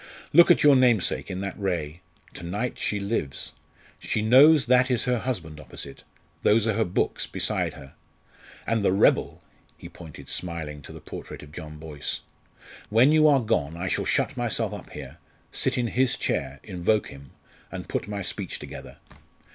Look at your namesake, in that ray. To night she lives! She knows that is her husband opposite those are her books beside her. And the rebel!" he pointed smiling to the portrait of John Boyce. "When you are gone I shall shut myself up here sit in his chair, invoke him and put my speech together.